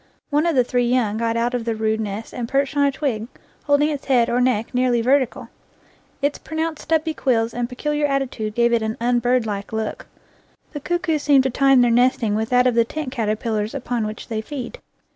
One of the three young got out of the rude nest and perched on a twig, holding its head or neck nearly vertical. Its pronounced stubbly quills and peculiar attitude gave it' an unbirdlike look. The cuckoos seem to tune their nesting with that of the tent caterpillars upon which they feed.